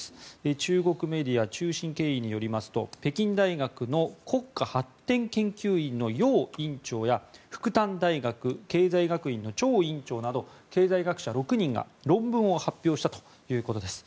中国メディア中新経緯によりますと北京大学の国家発展研究院のヨウ院長や復旦大学経済学院のチョウ院長など経済学者６人が論文を発表したということです。